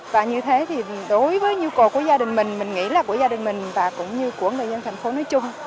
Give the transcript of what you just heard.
và như thế thì đối với nhu cầu của gia đình mình mình nghĩ là của gia đình mình và cũng như của người dân thành phố nói chung